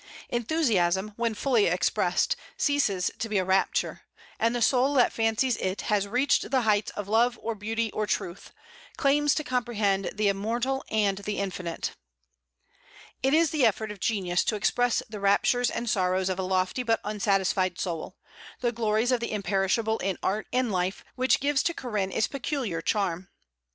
Enthusiasm, when fully expressed, ceases to be a rapture; and the soul that fancies it has reached the heights of love or beauty or truth, claims to comprehend the immortal and the infinite. It is the effort of genius to express the raptures and sorrows of a lofty but unsatisfied soul, the glories of the imperishable in art and life, which gives to "Corinne" its peculiar charm.